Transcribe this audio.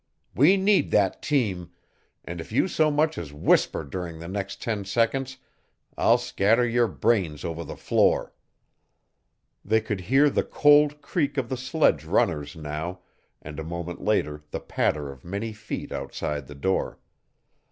"We need that team, and if you so much as whisper during the next ten seconds I'll scatter your brains over the floor!" They could hear the cold creak of the sledge runners now, and a moment later the patter of many feet outside the door.